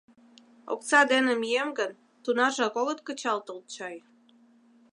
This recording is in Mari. Окса дене мием гын, тунаржак огыт кычалтыл чай.